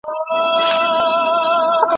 اوس هغه ښکلی کابل